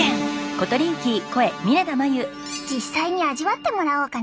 実際に味わってもらおうかな。